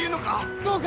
どうか！